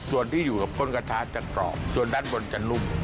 ส่วนที่อยู่กับก้นกระทะจะกรอบส่วนด้านบนจะนุ่ม